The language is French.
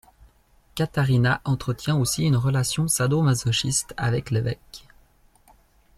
Katharina entretient aussi une relation sado-masochiste avec l’évêque.